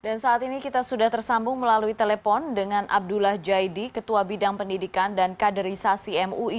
dan saat ini kita sudah tersambung melalui telepon dengan abdullah jaidi ketua bidang pendidikan dan kaderisasi mui